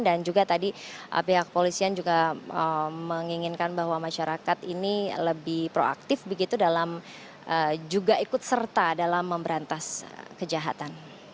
dan juga tadi pihak kepolisian juga menginginkan bahwa masyarakat ini lebih proaktif begitu dalam juga ikut serta dalam memberantas kejahatan